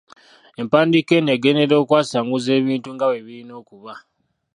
Empandiika eno egenderera okwasanguza ebintu nga bwe birina okuba.